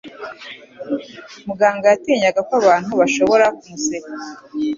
Mugabo yatinyaga ko abantu bashobora kumuseka.